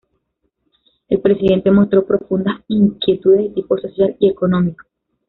El presidente mostró profundas inquietudes de tipo social y económico.